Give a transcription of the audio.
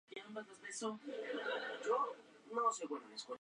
Los libros de Makin están publicados en internet.